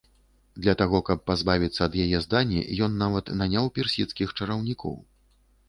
Для таго каб пазбавіцца ад яе здані, ён нават наняў персідскіх чараўнікоў.